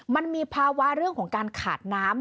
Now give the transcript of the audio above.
มันมีภาวะเรื่องของการขาดน้ำ